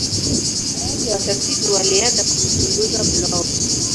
baadhi ya watafiti walienda kumchunguza blob